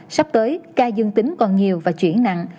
sắp tới ca dương tính còn nhiều và chuyển nặng